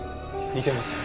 似てます。